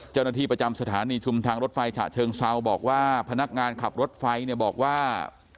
เจ้าหน้าที่ประจำสถานีชุมทางรถไฟฉะเชิงเซาบอกว่าพนักงานขับรถไฟเนี่ยบอกว่า